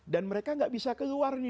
dan mereka gak bisa keluar nih